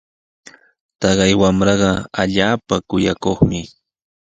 Taqay wamraqa allaapa kuyakuqmi.